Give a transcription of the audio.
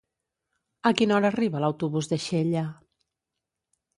A quina hora arriba l'autobús de Xella?